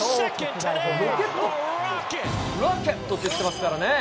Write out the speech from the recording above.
ロケットって言ってますからね。